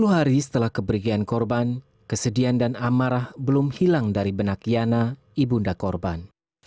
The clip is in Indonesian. tiga puluh hari setelah kebergian korban kesedihan dan amarah belum hilang dari benak yana ibu unda korban